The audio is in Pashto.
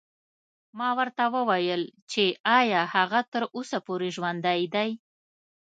ما ورته وویل چې ایا هغه تر اوسه پورې ژوندی دی.